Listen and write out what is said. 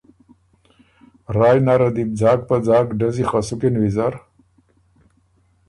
رایٛ نره دی بو ځاک په ځاک ډزي خه سُکِن ویزر